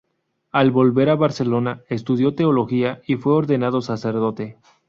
Al volver a Barcelona, estudió Teología y fue ordenado sacerdote.